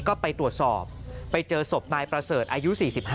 ก็ไปตรวจสอบไปเจอศพนายประเสริฐอายุ๔๕